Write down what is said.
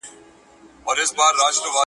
په قسمت مي وصال نه وو رسېدلی،